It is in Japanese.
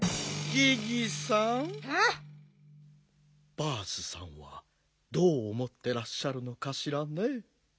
バースさんはどうおもってらっしゃるのかしらね。